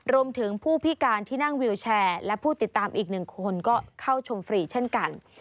รวมถึงผู้พิการที่นั่งวิวแชร์และผู้ติดตามอีกหนึ่งคนก็เข้าชมฟรีเช่นกัน